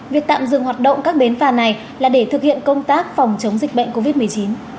việc tạm dừng hoạt động các bến phà này là để thực hiện công tác phòng chống dịch bệnh covid một mươi chín